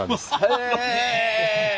へえ！